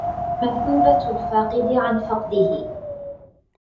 مثوبة الفاقد عن فقده